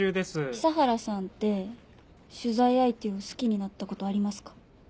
久原さんって取材相手を好きになったことありますか？